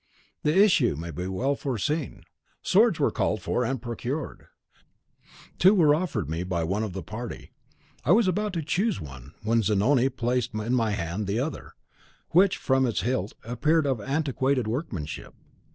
The issue may be well foreseen. Swords were called for and procured. Two were offered me by one of the party. I was about to choose one, when Zanoni placed in my hand the other, which, from its hilt, appeared of antiquated workmanship.